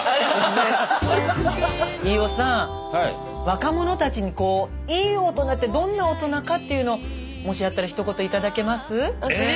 若者たちにこういい大人ってどんな大人かっていうのをもしあったらひと言頂けます？